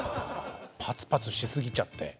パツパツしすぎちゃって。